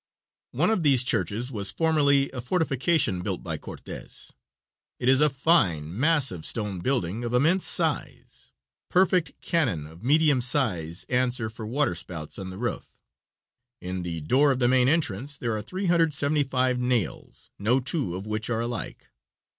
One of these churches was formerly a fortification built by Cortes. It is a fine, massive stone building of immense size. Perfect cannon of medium size answer for water spouts on the roof. In the door of the main entrance there are 375 nails, no two of which are alike.